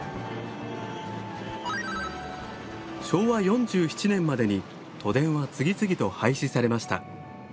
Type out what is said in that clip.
昭和４７年までに都電は次々と廃止されました。